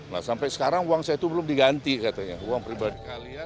nah sampai sekarang uang saya itu belum diganti katanya uang pribadi kalian